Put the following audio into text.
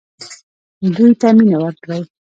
دوی ته مینه ورکړئ